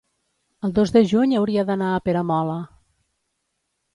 el dos de juny hauria d'anar a Peramola.